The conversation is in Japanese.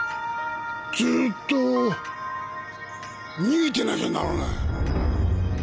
ずーっと逃げてなきゃならない。